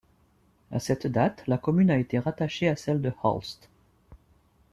À cette date, la commune a été rattachée à celle de Hulst.